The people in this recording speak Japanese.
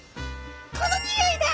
「このにおいだ！」。